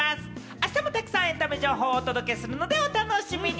あしたもたくさんエンタメ情報をお届けするのでお楽しみに。